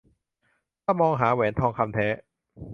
ถ้ามองหาแหวนทองคำแท้